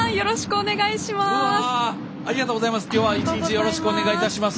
よろしくお願いします。